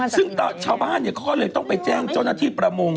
สิ่งที่ชาวบ้านเนี่ยเขาต้องไปแจ้งเจ้าหน้าที่ประมง